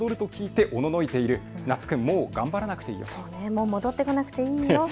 もう戻ってこなくていいよって。